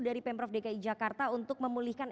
dari pemprov dki jakarta untuk memulihkan